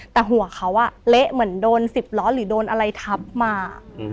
แต่หัวเขาเละเหมือนโดน๑๐ล้อหรือโดนอะไรทับมา